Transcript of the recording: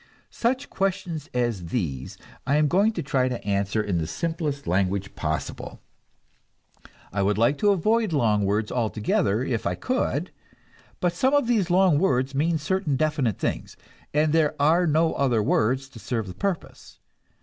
Such questions as these I am going to try to answer in the simplest language possible. I would avoid long words altogether, if I could; but some of these long words mean certain definite things, and there are no other words to serve the purpose.